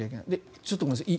ちょっとごめんなさい。